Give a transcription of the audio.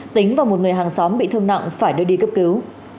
tính và một người hàng xóm bị thương nặng phải đưa đi cấp cứu